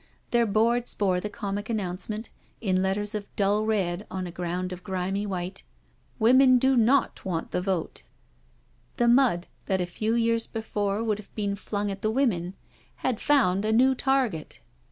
Their boards bore the comic announcement^ in letters of dull red on a groimd of grimy white: " Women do NOT want the Vote I" The mud, that a few years before would have been flung at the women, had found a new target.